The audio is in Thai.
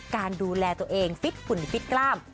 การดูแลตัวเองฟิตฝุ่นฟิตกล้าม